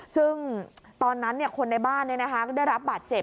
ซึ่งตอนนั้นคนในบ้านได้รับบาดเจ็บ